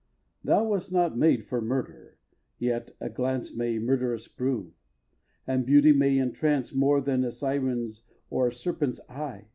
iii. Thou wast not made for murder, yet a glance May murderous prove; and beauty may entrance, More than a syren's or a serpent's eye.